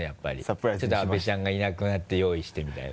ちょっと阿部ちゃんがいなくなって用意してみたいな。